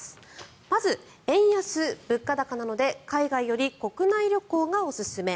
まず、円安・物価高なので海外より国内旅行がおすすめ。